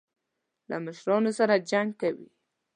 له مشرانو سره جنګ کوي.